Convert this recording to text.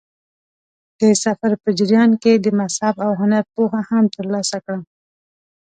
د سفر په جریان کې د مذهب او هنر پوهه هم ترلاسه کړم.